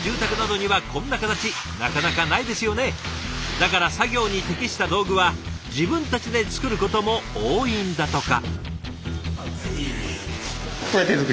だから作業に適した道具は自分たちで作ることも多いんだとか。